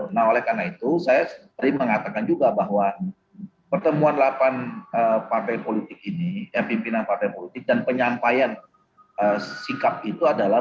nah oleh karena itu saya sering mengatakan juga bahwa pertemuan delapan partai politik ini pimpinan partai politik dan penyampaian sikap itu adalah